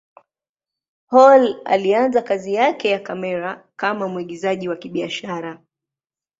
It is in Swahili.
Hall alianza kazi yake ya kamera kama mwigizaji wa kibiashara.